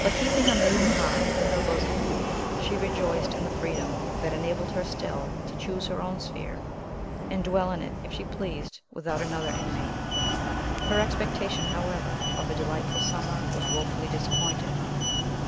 But, keeping a maiden heart within her bosom, she rejoiced in the freedom that enabled her still to choose her own sphere, and dwell in it, if she pleased, without another inmate. Her expectation, however, of a delightful summer was woefully disappointed.